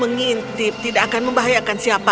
mengintip tidak akan membahayakan siapa